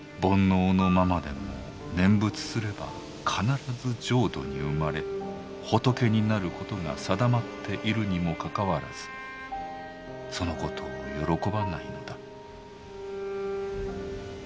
「煩悩のままでも念仏すれば必ず浄土に生まれ仏になることが定まっているにもかかわらずそのことを喜ばないのだ」。